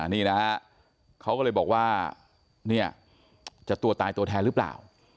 นี่นะฮะเขาก็เลยบอกว่าเนี่ยจะตัวตายตัวแทนหรือเปล่า